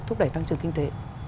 thúc đẩy tăng trưởng kinh tế